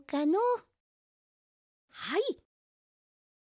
はい。